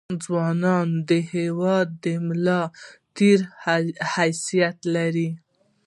ځونان دهیواد دملا دتیر حیثت لري